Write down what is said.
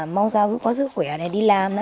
mong sao cứ có sức khỏe để đi làm